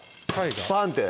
バンって？